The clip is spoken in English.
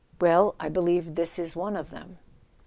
"Well—I believe this is one of them."